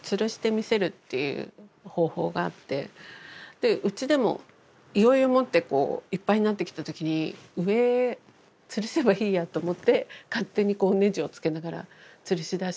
でうちでもいよいよもってこういっぱいになってきた時に上つるせばいいやと思って勝手にネジを付けながらつるしだして。